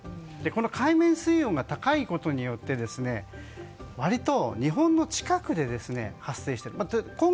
海面水温が高いことによって割と日本の近くで発生している。